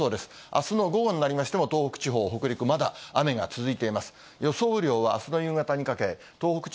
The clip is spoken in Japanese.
あすの午後になりましても、東北地方、北陸、まだ雨が続いています。